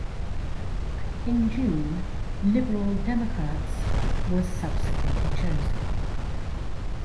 In June "Liberal Democrats" was subsequently chosen.